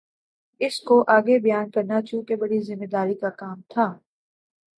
اِس کو آگے بیان کرنا چونکہ بڑی ذمہ داری کا کام تھا